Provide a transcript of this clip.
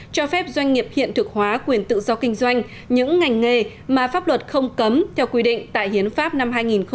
cho phép doanh nghiệp hiện thực hóa quyền tự do kinh doanh những ngành nghề mà pháp luật không cấm theo quy định tại hiến pháp năm hai nghìn một mươi ba